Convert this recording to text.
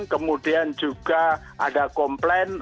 kemudian juga ada komplain